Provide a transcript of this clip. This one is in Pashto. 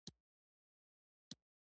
قاتلان په دې وپوهول شي.